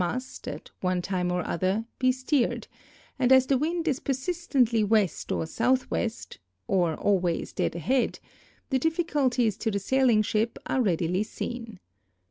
must, at one time or other, be .steered, and as the wind is persistently west or southwest (or always dead ahead), the difficulties to the sailing ship are readily seen.